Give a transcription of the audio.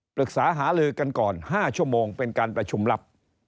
ปรึกษาหาลือกันก่อน๕ชั่วโมงเป็นการประชุมลับ